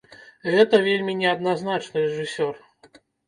Гэта вельмі неадназначны рэжысёр.